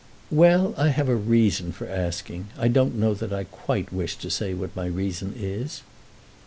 "Well; I have a reason for asking. I don't know that I quite wish to say what my reason is."